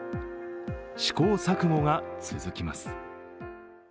試行錯誤が続きます。